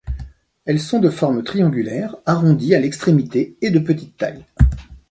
Elles sont de forme triangulaire, arrondies à l’extrémité et de petite taille.